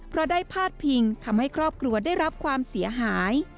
เพราะได้พาดพิงทำให้ครอบครัวได้รับความเสียหาย